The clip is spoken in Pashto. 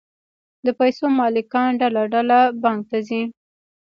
د پیسو مالکان ډله ډله بانک ته ځي